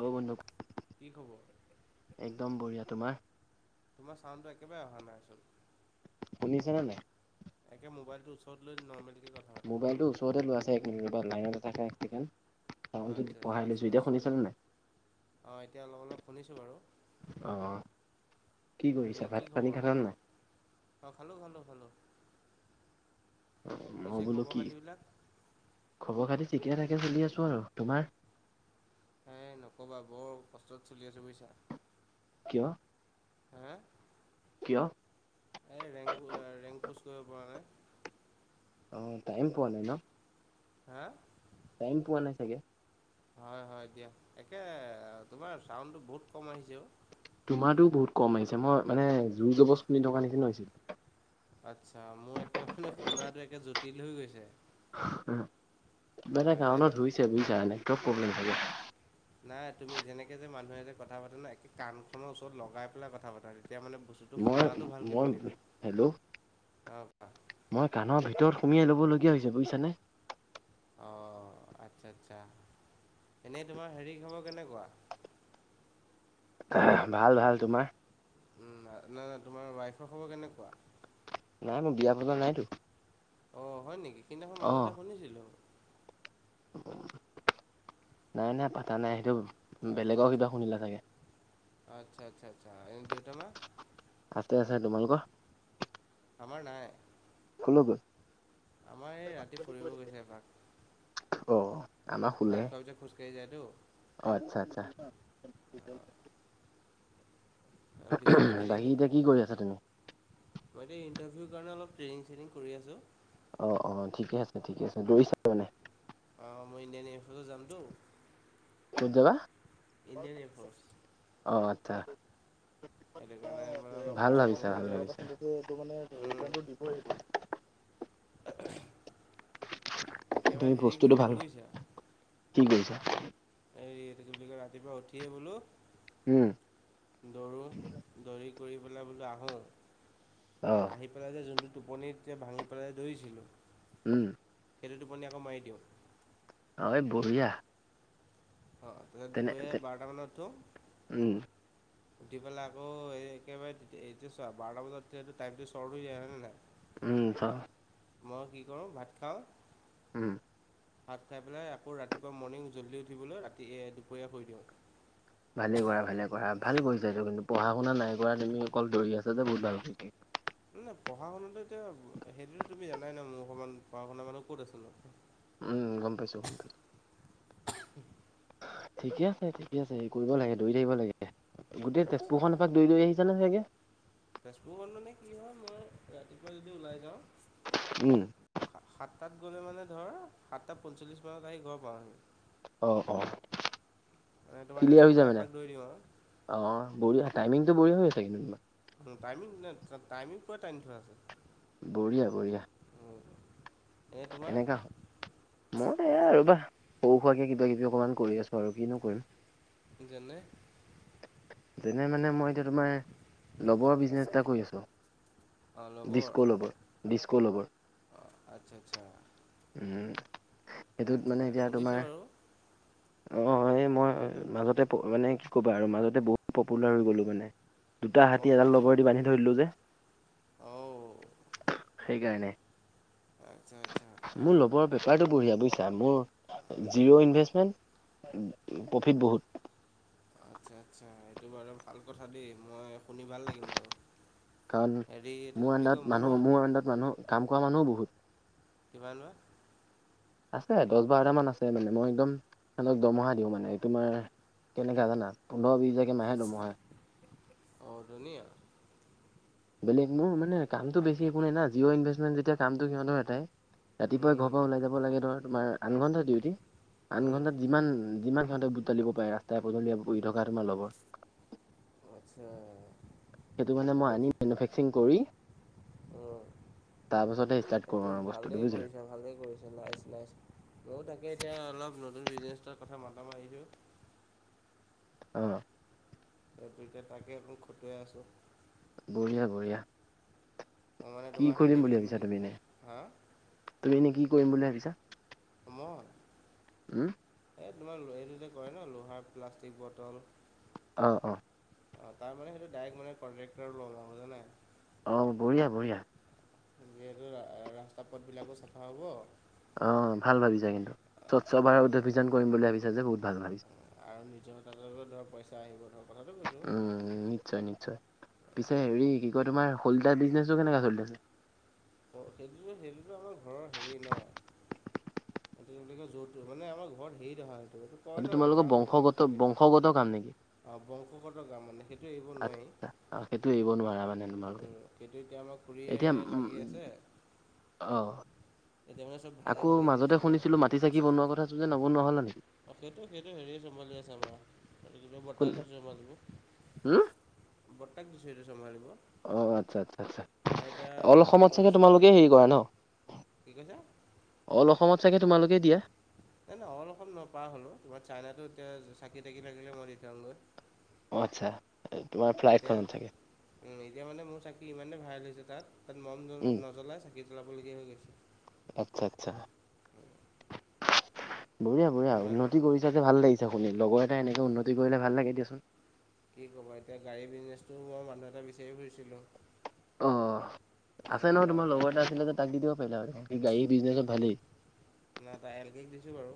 অ' [unintelligible] কি খবৰ? একদম বঢ়িয়া। তোমাৰ? তোমাৰ ছাউণ্ডটো একেবাৰে অহা নাই চোন। শুনিছেনে নাই? একে মোবাইলটো ওচৰত লৈ নৰ্মেলি মোবাইলটো ওচৰতে লোৱা আছে। এক মিনিট ৰবা লাইনত এ থাকা এক ছেকেণ্ড। অঁ আচ্ছা চাউণ্ডটো বঢ়াই লৈছো। এতিয়া শুনিছানে নাই? অ এতিয়া অলপ অলপ শুনিছোঁ বাৰু। অ। কি কৰিছা? ভাত পানি খালা নে নাই? অ খালোঁ খালোঁ খালোঁ। অ মই পিছে বোলো খবৰ কি! খাতিবিলাক? খবৰ খাতি ঠিকে থাকে চলি আছো আৰু। তোমাৰ? হে নকবা বৰ কষ্টত চলি আছোঁ বুজিছা। কিয়? হে? কিয়? এই ৰেংক হ ৰেংক পোষ্ট কৰিব পৰা নাই। অ টাইম পোৱা নাই ন? হা? টাইম পোৱা নাই চাগে? হয় হয় দিয়া। একে তোমাৰ চাউণ্ডটো বহুত কম আহিছে অ'। তোমাৰটো বহুত কম আহিছে মই মানে জোৰ জবজ শুনি থকাৰ নিচিনা হৈছে। আচ্ছা মোৰ একে মানে শুনাটো একে জটিল হৈ গৈছে। উ কিবা এটা হয় দে কাৰণত হৈছে বুজিছা, নেটৱৰ্ক প্ৰব্লেম চাগে। নাই তুমি যেনেকে যে মানুহে যে কথা পাতে ন, একে কাণ খনৰ ওচৰত লগাই পেলাই কথা পাতা তেতিয়া মানে মই শুনাটো ভালকে মই শুনিবা, হেল্ল' অ কোৱা মই কানৰ ভিতৰত সুমিয়াই ল'ব লগীয়া হৈছে, বুজিছানে? অ আচ্ছা আচ্ছা, এনেই তোমাৰ হেৰি খৱৰ কেনেকুৱা? অ ভাল ভাল। তোমাৰ? না নাই নাই নাই তোমাৰ ৱাইফৰ খবৰ কেনেকুৱা? নাই মই বিয়া পতা নাইতো। অ হয় নেকি, সেইদিনাখন অ মাজতে শুনিছিলোঁ। নাই নাই পাতা নাই সেইটো আচ্ছা বেলেগৰ আচ্ছা কিবা শুনিলা চাগে। আচ্ছা আচ্ছা আচ্ছা এনে দেউতা মা তাতে আছে তোমালোকৰ আমাৰ নাই। খোল গৈ আমাৰ এই ৰাতি ফুৰিব গৈছে এভাগ। অ আমাৰ শুলে। খোৱাৰ পিছত খোজকাঢ়ি যায়তো অ আচ্ছা আচ্ছা। অ' পিছে হেৰি বাকী এতিয়া কি কৰি আছা তুমি? মই এইটো ইণ্টাৰভিউ কাৰণে অলপ ট্ৰেইনিং চেইনিং কৰি আছোঁ। অ অ ঠিকে আছে ঠিকে আছে দৌৰিছা মানে। অ মই ইণ্ডিয়ান এয়াৰ ফোজলো যামতো। কত জাবা? ইণ্ডিয়ান এয়াৰফৰ্চ অ আতথা। সেইটো কাৰণে মানে অলপ ভাল কষ্ট ভাবিছা ভাল কৰিবলগীয়া ভাবিছা। হৈছে উম [unintelligible] [unintelligible] একেবাৰে তুমি হেৰি বস্তুটো কৰিছোঁ ভাল, বুজিছা কি কৰিছা? এই কি বুলি কয় ৰাতিপুৱা উঠিয়েই বোলো উম। দৌৰোঁ, দৌৰি কৰি পেলাই বোলো আহোঁ। অ। আহি পেলাই যে যোনটো টোপনি এতিয়া ভাঙি পেলাই দৌৰিছিলোঁ। উম। সেইটো টোপনি আকৌ মাৰি দিওঁ। অ, এ বঢ়িয়া। অ তেনে দুপৰীয়া বাৰটামানত উঠো। উম। উঠি পেলাই আকৌ একেবাৰে এইটো চোৱা বাৰটা বজাত টাইমটো চ্বৰ্ট হৈ যায় হয় নাই। উম থ- মই কি কৰোঁ ভাত খাওঁ। উম। ভাত খাই পেলাই আকৌ ৰাতিপুৱা মৰ্ণিং জল্দি উঠিবলৈ ৰাতি দুপৰীয়া কৰি দিওঁ। ভালে কৰা ভালে কৰা ভালে কৰিছা এইটো কিন্তু পঢ়া শুনা নাই কৰা তুমি অকল দৌৰি আছা যে বহুত ভাল, ঠিকেই। না পঢ়া শুনাতো এতিয়া সেইটোতো তুমি জানাই ন মোৰ সমান পঢ়া-শুনা মানুহ ক'ত আছে নো। উম গম পাইছো গম পাইছো। ঠিকে আছে ঠিকে আছে হে কৰিব লাগে দৌৰি থাকিব লাগে। গোটেই আচ্ছা তেজপুৰখন এপাক দৈ দৈ আহিছা নে চাগে? তেজপুৰখন মানে কি হয় মই ৰাতিপুৱা যদি ওলাই যাওঁ উম। সাতটাত গ'লে মানে ধৰ সাতটা পঞ্চল্লিছ মানত আহি ঘৰ পাওঁহি। অ অ মানে তোমাৰ ক্লিয়াৰ হৈ তেজপুৰ যায় খন মানে এপাক দৌৰি দিওঁ আও। অ বঢ়িয়া টাইমিংটো বঢ়িয়া হৈছে কিন্তু তোমাৰ। টাইমি টাইমিং পুৰা টানি থোৱা আছে। বঢ়িয়া বঢ়িয়া। অ। এনেকা হ মই এয়া ৰবা সৰু সোৱাকে কিবা কিবি অকমান কৰি আছো আৰু কিনো কৰিম। যেনে যেনে মানে মই এতিয়া তোমাৰ লবৰ বিজনেচ এটা কৰি আছো। ডিস্ক' ল'বৰ ডিস্ক' ল'বৰ। অঁ, আচ্ছা আচ্ছা। উম, সেইটোত আচ্ছা মানে আচ্ছা এতিয়া শুনিছোঁ তোমাৰ বাৰু অ, এই মই মাজতে মানে কি ক'বা আৰু মাজতে বহুত পপুলাৰ হৈ গ'লো মানে। দুটা গম হাতী এডাল লবৰ দি বান্ধি থৈ দলো যে। অঁ। সেইকাৰণে। আচ্ছা আচ্ছা। মোৰ ল'বৰ পেপাৰটো বঢ়িয়া বুজিছা মোৰ জিৰ' ইনভেষ্টমেণ্ট প্ৰফিট বহুত। আচ্ছা আচ্ছা এইেইটো বাৰু ভাল কথা দেই মই শুনি ভাল লাগিল বাৰু। কাৰণ হেৰি এইটো কি মোৰ বুলি আণ্ডাৰত কয় মোৰ [unintelligible] কাম কৰা মানুহো বহুত। কিবা লোৱা। আছে দহ বাৰটামান আছে মানে মই একদম সিহঁতক দমহা দিওঁ মানে তোমাৰ কেনেকা জানা? পোন্ধৰ বিশ হাজাৰ কে মাহে দৰমহা। অ, ধুনীয়া। বেলেগ মোৰ মানে কামটো বেছি একোই না জিঅ' ইনভেষ্টমেণ্ট যেতিয়া কামটো সিহঁতৰ এটাই। ৰাতিপুৱাই ঘৰ পৰা ওলাই যাব লাগে ধৰ তোমাৰ আঠ ঘণ্টা ডিউটি। আঠ ঘণ্টাত যিমান যিমান ঘণ্টা বুটতলিব পাৰে ৰাস্তাই পদূলি উৰি থকা তোমাৰ লগবৰ আচ্ছা। সেইটো কাৰণে এইটো মই আনি মেনুফেকসাৰিং কৰি উম, তাৰপাছতে ষ্টাৰ্ট কৰোঁ এইটো আৰু বস্তুটো ভালেই বুজিলা কৰিছা ভালেই কৰিছ নাই? নাই ময়ো তাকে এতিয়া অলপ নতুন বিজনেজ এটাৰ কথা মাথা মাৰিছোঁ। অ। সেইটো এতিয়া তাকেই অকল খটুৱাই আছোঁ। বঢ়িয়া বঢ়িয়া। ত মানে কি তোমাৰ কৰিম হেৰি বেচিম ভাবিছা বুলি তুমি এনে হাঁ তুমি এনে কি কৰিম বুলি ভাবিছা? মই উম। এই তোমাৰ এইটোতে কৰে ন লোহাৰ প্লাষ্টিক বটল। অ, অ। অ, তাৰ মানে সেইটো ডাইৰেক্ট মানে কট্ৰেক্টৰ লওঁ জানাই। অঁ, বঢ়িয়া বঢ়িয়া। যিহেতু ৰাস্তা পথবিলাকো চাফা হ'ব, অ ভাল ভাবিছা কিন্তু স্বচ্ছ আৰু ভাৰত অভিযান কৰিম বুলি ভাবিছা যে বহুত ভাল ভাবিছাঁ। আৰু নিজৰ তাতো ধৰ পইচা আহিব ধৰ কথাটো কৈছো। নিশ্চয় নিশ্চয়। পিছে হেৰি কি কয় তোমাৰ হলদা বিজনেছটো কেনেকুৱা চলিছে? সেইটোত সেইটোতো আমাৰ ঘৰৰ হেৰি ন। সটো য'তটো মানে আমাৰ ঘৰত হেৰি দেখা সেইটোটো, কয় সেইটো ন তোমালোকৰ দেউতাহঁতৰ দিনক পৰা বংশগত চলি আহা। বংশগত কাম নেকি অ বংশগত গাঁ মানে সেইটো এইবোৰ নোৱাৰি। সেইটো এৰিব নোৱাৰা মানে তোমালোকে সেইটো এতিয়া আমাক খুৰিয়ে এতিয়া উম লাগি আছে অ এতিয়া মানে চব ভাগে ভাগে দিছোঁ ন। কি বনোৱা কথা আছিলে যে নবনোৱা হ'ল নেকি? অ সেইটো সেইটো হেৰি চম্ভালি আছে আমাৰ বৰতাক দিছোঁ চম্ভালিব। হম! বৰ্তাক দিছো সেইটো চম্ভালিব। অ আচ্ছা আচ্ছা আচ্ছা এতিয়া অল অসমত অকলে চাগে তোমালোকে হেৰি কৰা ন। কি কৈছা অল অসমত চাগে তোমালোকেই দিয়া। নাই নাই অল অসম নহয় পৰ হ'লো তোমাৰ চাইনাতো এতিয়া চাকি তাকি লাগিলে মই দি থৈ আহোঁ গৈ। আচ্ছা। তোমাৰ ফ্লাইট এতিয়া কত থাকে? এতিয়া মানে মোৰ চাকি ইমানেই ভাইৰেল হৈছে তাত তাত মম উম নজ্বলাই চাগে। চাকি জলাবলগীয়া হৈ গৈছে। আচ্ছা আচ্ছা বঢ়িয়া বঢ়িয়া ইমান উন্নতি কৰিছা যে ভাল লাগিছে। শুনি লগৰ এটা এনেকে আহ, উন্নতি কৰিলে ভাল লাগে দিয়াচোন। কি কব এতিয়া গাড়ী বিজনেছটো মই মানুহ এটা বিচাৰি ফুৰিছিলোঁ। অ আছে তাৰপিছত নহয় তোমাৰ বাৰতে লগৰ এটা আছিলে তাক দি দিব পাৰিলা হয় সি গাড়ীৰ বিজনেছত ভালেই। নাই টা এল কেক দিছো বাৰু।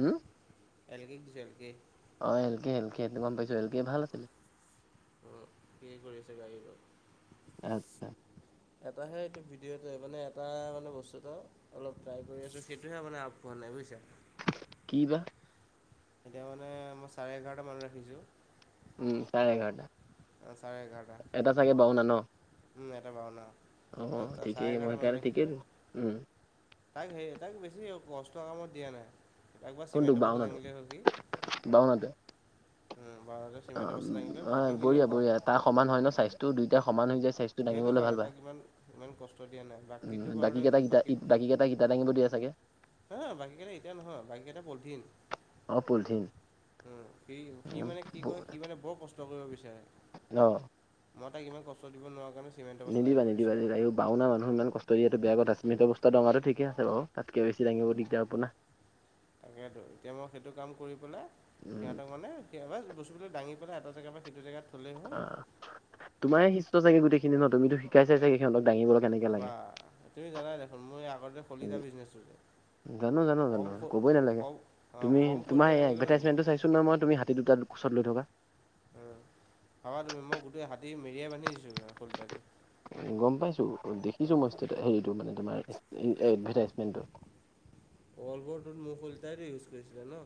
উম। এলগে দিছোঁ এল গে। অ এল কে এল কে সেইটো গম পাইছো এল কে ভাল আছিলে। অ সি কৰি আছে গাড়ীখনত। আচ্ছা এটাহে এইটো ভিডিঅ'টো মানে এটা মানে বস্তু এটা অলপ ট্ৰাই কৰি আছো সেইটোহে মানে আগবঢ়োৱা নাই বুজিছা। কি বা? এতিয়া মানে মই চাৰে এঘাৰটা মান ৰাখিছোঁ। উম চাৰে এঘাৰটা। চাৰে এঘাৰটা। এটা চাগে বওনা ন। এটা বাওনা অ ত ত ঠিকেই চাৰে মই এঘাৰটা মানে সেইকাৰণে ঠিকেই ৰাখিছোঁ। দিম উম। তাক সে তাক বেছি কষ্টৰ কামত দিয়া নাই। একবাৰ কোনটো চিমেণ্টৰ পাছত বাওনাটো দাঙিলেই হ'ল সি। বাওনাটোৱে বাৰটা অ চিমেণ্টৰ বস্তা‌ দাঙিলে অ বাকীখিনি বঢ়িয়া ক বঢ়িয়া তাৰ সমান হয় ন স্বাস্থ্যও দুয়টা সমান হৈ যায় স্বাস্থ্য সেইটো কাৰণে তাক ইমান ইমান কষ্ট দিয়া নাই উম বাকীতটো বাকী কেইটা বাৰুতে ইটা বাকী কেইটাক ইটা দাঙিব দিয়ে চাগে হা বাকীকেইটা এতিয়া নহয় বাকীকেইটা পলথিন। অ পলিথিন মম সি সি মানে কি কয় সি মানে বৰ কষ্ট কৰিব বিচাৰে। অ। মই তাক ইমান কষ্ট দিব নোৱাৰা কাৰণে চিমেণ্টৰ বস্তা নিদিবা দাঙিব নিদিবা। দিছোঁ বাওনা মানুহ ইমান কষ্ট দিয় এইটো বেয়া কথা চিমেণ্টৰ বস্তাটো ডোঙা ঠিক আছে বাৰ তাতকৈ বেছি দাঙিব দিদাৰ হব না। তাকেতো এতিয়া মই সেইটো কাম কৰি পেলাই উম সিহঁতক মানে সবাৰ বস্তুবিলাক দাঙি পেলাই এটা জেগাৰ পৰা সেইটো জেগাত থলেই হয়। অ তোমাৰ শিষ্য চাগে গোটেইখিনি ন তুমিতো শিকাই চাই চাগে সিহঁতক দাঙিব। বা তুমি জানা দেখোন মই আগতে শলিতা বিজনেছ কৰিছিলো। জানো জানো জানো কবই নালাগে অঁ তুমি কম তোমাৰ শ'লডাল আনিলোঁ নেকি ইভাটেচটো চাইছো দেখিছো মই তুমি হাতী দুটা কোচত লৈ থকা। অ ভাবা তুমি মই গোটেই হাতী মেৰিয়াই বান্ধি দিছোঁ শলিতা দি। গম পাইছো দেখিছো মই হেৰিটো মানে তোমাৰ এডভাৰটাইজমেণ্টটো। অলভৰটোত মোৰ শলিতাইটো ইউজ কৰিছিলে ন।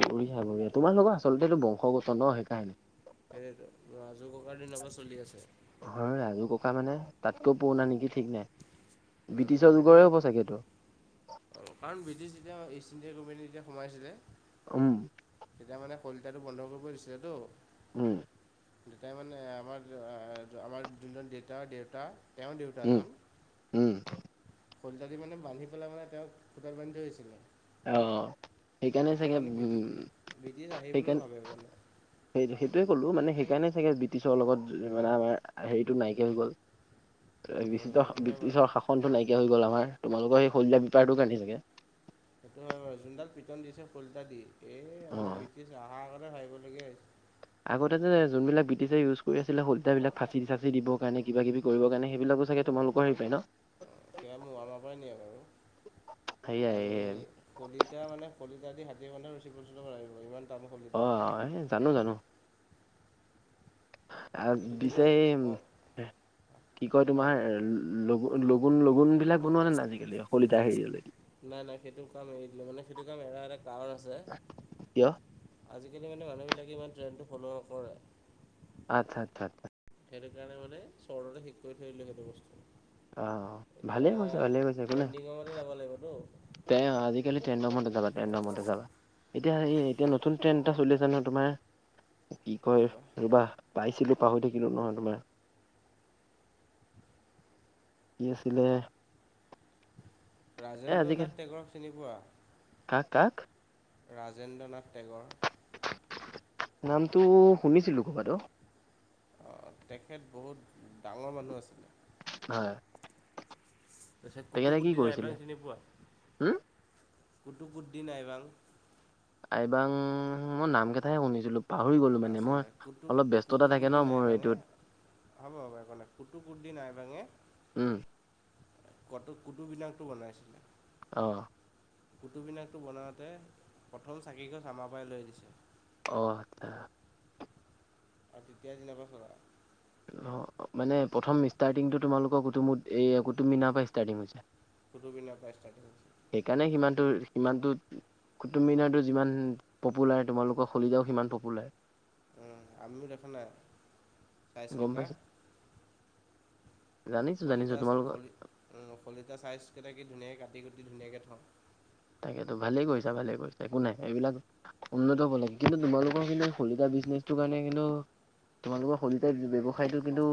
বঢ়িয়া বঢ়িয়া তোমাৰ লগত আচলতে এইটো বংশগত ন সেইকাৰণে। সেইটো মোৰ আজু ককাৰ দিনৰ পৰা চলি আছে। হয় আজু ককা মানে তাতকৈও পোৰনা নেকি ঠিক নাই। উম ব্ৰিটিছৰ সেইটো যুগৰে হ'ব বাওটো চাগে এইটো অঁ কাৰণ ব্ৰিটিছ যেতিয়া ইষ্ট ইণ্ডিয়া কোম্পোনী যেতিয়া সোমাইছিলে উম। তেতিয়া মানে, শলিতাটো বন্ধ কৰিব, দিছিলেতো। উম! দেউতাই মানে, আমাৰ, আমাৰ যোনজন দেউতা- দেউতা, তেওঁৰ দেউতা উম জন। উম! শলিতা দি মানে, বান্ধি পেলাই মানে, তেওঁক খূতাত বান্ধি থৈছিলে। অ'! সেইকাৰণে চাগে, উম! ব্ৰিটিছ আহিবলৈও সেইকাৰণে, ভাবে মানে সেই, সেইটোৱে ক'লো, মানে, সেইকাৰণে চাগে, ব্ৰিটিছৰ লগত মানে, আমাৰ হেৰিটো নাইকিয়া হৈ গ'ল। [unintelligible] উম, সেইটো হয় বাৰু। ব্ৰিটিছৰ শাসনটো নাইকিয়া হৈ গ'ল, আমাৰ। তোমালোকৰ সেই, শলিতা বেপাৰটো কাৰনে, চাগে। সেইটো আৰু যোনডাল পিটন দিছে, শলিতা দি। এই, অ ব্ৰিটিছ আহাৰ আগতে, ভাবিবলগীয়া হৈছে। আগতে যে, যোনবিলাক ব্ৰিটিছে ইউজ কৰি আছিলে, শলিতা বিলাক, ফাচি- চাচি দিবৰ কাৰণে, কিবা কিবি কৰিব কাৰণে। সেইবিলাকো চাগে, তোমালোকৰ হেৰিপাই ন'? এতিয়া, আমি [unintelligible] পৰাই নিয়ে বাৰু। আমি, সেয়াই শলিতা মানে, শলিতা দি হাতী বান্ধা ৰছী প্ৰস্তুত কৰিব লাগিব, সিমানে। অ'! এই, জানোঁ, জানোঁ। আঁ এইটো কিন্তু পিছে, এই, অ' কি কয় কোৱা তোমাৰ, কোৱা। লগু লগুণ, লগুণ বিলাক বনোৱা, নে নাই? আজিকালি, শলিতা হেৰিয়লৈকে। নাই, নাই। সেইটো কাম, এৰি দিলোঁ মানে। সেইটো, কাম এৰা এটা কাৰণ, আছে। কিয়? আজিকালি মানে, মানুহবিলাকে ইমান ট্ৰেণ্ডটো ফ'ল' নকৰে। আচ্ছা, আচ্ছা, আচ্ছা। সেইটো কাৰণে, মানে চৰদতে শেষ কৰি থৈ আহিলোঁ, সেইটো বস্তুটো। অ এতিয়া, ভালে কৈছা ভালে ট্ৰেণ্ডিঙৰতে যাব লাগিবতো। তেওঁ আজিকালি [unintelligible] এতিয়া এই, এতিয়া নতুন ট্ৰেণ্ড এটা চলি আছে। ন' তোমাৰ? কি কয়? ৰ'বা, পাইছিলোঁ। পাহৰি থাকিলোঁ নহয়, তোমাৰ। কি আছিলে? ৰাজেন্দ্ৰ নাথ টেগৰক চিনি পোৱা। কাক-কাক। ৰাজেন্দ্ৰ নাথ টেগৰ। নামটো শুনিছিলোঁ, ক'ৰবাত অ'! অ'! তেখেত, বহুত ডাঙৰ মানুহ আছিলে। হয়! তাৰপিছত, তেখেতে কি কুতুবউদ্দিন কৰিছিলে আইবক চিনি উম পোৱা? কুতুবউদ্দিন আইবক। আইবক! মই নাম কেইটাহে, শুনিছিলোঁ। পাহৰি গ'লোঁ মানে। আছে মই, কুটু অলপ ব্যস্ততা থাকে, কুটুকুদ্দিন ন'! মোৰ আইবাঙে এইটোত। হ'ব, হ'ব, একো নাই। কুতুবউদ্দিন আইবকে উম কটো কুটুবমিনাৰটো বনাইছিলে। অ'। কুতুবমিনাৰটো বনাওঁতে, প্ৰথম চাকি গছ আমাৰ পৰাই লৈ দিছে। অ', আচ্ছা। আৰু তেতিয়াই দিনৰ পৰা [unintelligible] অ', মানে প্ৰথম ষ্টাৰ্টিংটো তোমালোকৰ কুটুমত, এই কুটুবমিনাৰ পৰা ষ্টাৰ্টিং হৈছে। কুটুব মিনাৰ পৰা ষ্টাৰ্টিং হৈছে। সেইকাৰণে সিমানটোৰ ইমানটোত কুটুব মিনাৰটো যিমান পপুলাৰ, তোমালোকৰ [unintelligible] সিমান পপুলাৰ। উম, [unintelligible] দেখা নাই, চাইজ গম কেইটা। পাইছো জানিছো জানিছো শলিতা তোমালোকৰ শলি উম, শলিতা চাইজকেইটা কি ধুনীয়াকৈ কাটি কুটি ধুনীয়াকে থওঁ। তাকেতো ভালেই কৰিছা-ভালে কৰিছা, একো নাই এইবিলাক উন্নত হ'ব লাগে, কিন্তু তোমালোকৰ মানে শলিতা বিজনেছটোৰ কাৰণে কিন্তু তোমালোকৰ শলিতাৰ ব্যৱসায়টো কিন্তু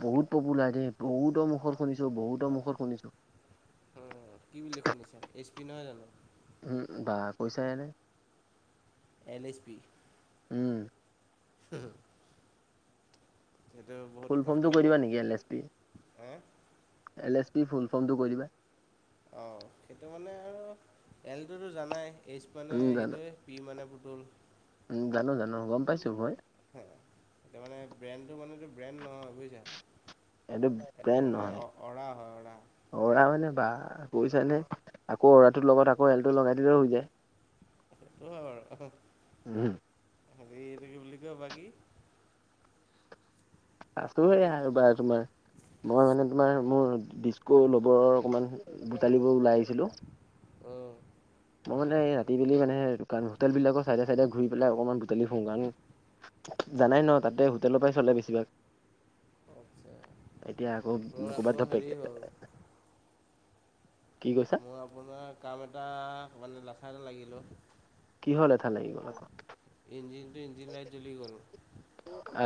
বহুত পপুলাৰ দেই, বহুতৰ মুখত শুনিছো- বহুতৰ মুখত শুনিছো। অ', কি বুলি শুনিছা, এইছ পি নহয় জানো। উম, বা কৈছাহেনে। L H P. উম। [unintelligible] সেইটো ব ফুল ফৰ্মটো কৈ দিবা নেকি এল এছ পি, হা এল এছ পি ফুল ফৰ্মটো কৈ দিবা। অ', সেইটো মানে আৰু এলটোতো জানাই, এইচ মানে উম জানো সেইটোৱে। পি মানে পুটোল উম, জানো- জানো, গম পাইছোঁ মই। হয়, এতিয়া মানে ব্ৰেণ্ডটো মানেটো ব্ৰেণ্ড নহয় বুজিছা, এইটো সেইটো ব্ৰেণ্ড মানে নহয় অ- অ'ৰা হয় অ'ৰা। অ'ৰা মানে বা বুইছানে, আকৌ অ'ৰাটোৰ লগত আকৌ এলটো লগাই দিলেও হৈ যায়। সেইটো হয় বাৰু, উম, হেৰি সেইটো কি বুলি কয় বাকী আছো বাকী এয়া ৰ'বা তোমাৰ। মই মানে তোমাৰ মোৰ ডিস্কো ল'বৰ অকমান [unintelligible] ওলাই আহিছিলোঁ। অ'। মই মানে এই ৰাতি বেলি মানে দোকান হোটেল বিলাকৰ চাইডে- চাইডে ঘূৰি পেলাই অকণমান বুটালি ফুৰোঁ কাৰণ জানাই ন তাতে হোটেলৰ পৰাই চলে বেছিভাগ। আচ্ছা। এতিয়া আকৌ মোৰ আকৌ ক'ৰবাত হেৰি হ'ল [unintelligible] মই আপোনাৰ কাম এটা মানে লেঠা এটা লাগিলো। কিহৰ লেথা লাগি গ'ল আকৌ। ইঞ্জিনটো ইঞ্জিন লাইট জ্বলি গ'ল। আকৌ